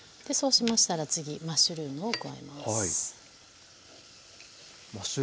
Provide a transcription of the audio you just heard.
でそうしましたら次マッシュルームを加えます。